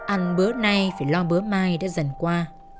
ăn bữa nay phải lo bớ mai đã dần qua